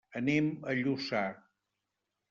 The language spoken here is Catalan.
Anem a Lluçà.